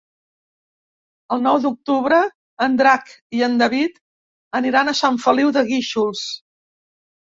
El nou d'octubre en Drac i en David aniran a Sant Feliu de Guíxols.